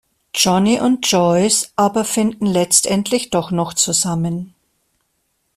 Johnny und Joyce aber finden letztendlich doch noch zusammen.